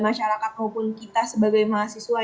masyarakat maupun kita sebagai mahasiswa